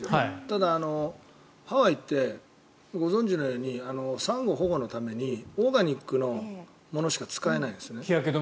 ただ、ハワイってご存じのようにサンゴ保護のためにオーガニックのものしか日焼け止めですね。